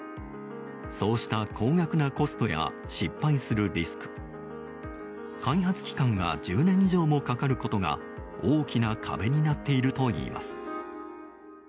そうした高額なコストや失敗するリスク開発期間が１０年以上もかかることが大きな壁になっているといいます。